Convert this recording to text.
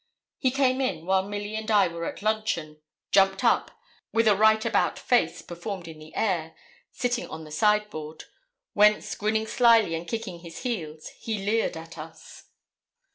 He came in while Milly and I were at luncheon, jumped up, with a 'right about face' performed in the air, sitting on the sideboard, whence grinning slyly and kicking his heels, he leered at us.